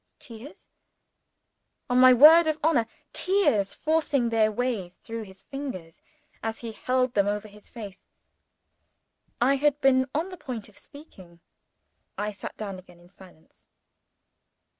Tears! On my word of honor, tears forcing their way through his fingers, as he held them over his face! I had been on the point of speaking. I sat down again in silence.